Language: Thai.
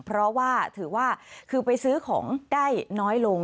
เพราะว่าถือว่าคือไปซื้อของได้น้อยลง